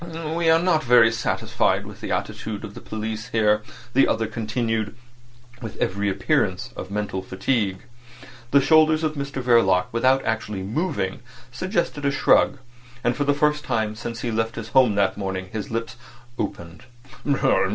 "We are not very satisfied with the attitude of the police here," the other continued, with every appearance of mental fatigue. The shoulders of Mr Verloc, without actually moving, suggested a shrug. And for the first time since he left his home that morning his lips opened.